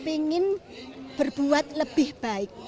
ingin berbuat lebih baik